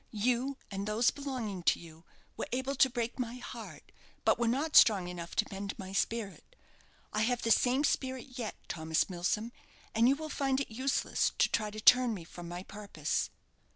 You, and those belonging to you, were able to break my heart, but were not strong enough to bend my spirit. I have the same spirit yet, Thomas Milsom; and you will find it useless to try to turn me from my purpose."